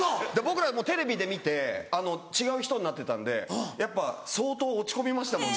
僕らもテレビで見て違う人になってたんでやっぱ相当落ち込みましたもんね。